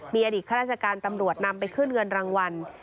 มีอดีตข้าราชการตำรวจนำไปขึ้นเงินรางวัล